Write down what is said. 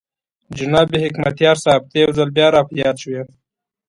جناب حکمتیار صاحب ته یو ځل بیا را په یاد شوې.